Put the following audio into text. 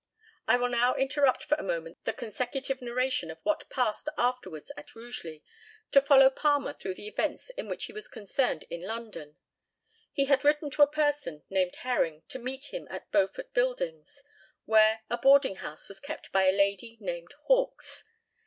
I will now interrupt for a moment the consecutive narration of what passed afterwards at Rugeley to follow Palmer through the events in which he was concerned in London. He had written to a person named Herring to meet him at Beaufort buildings, where a boarding house was kept by a lady named Hawks.